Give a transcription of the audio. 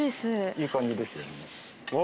いい感じですよね。